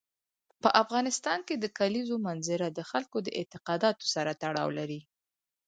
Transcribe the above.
په افغانستان کې د کلیزو منظره د خلکو د اعتقاداتو سره تړاو لري.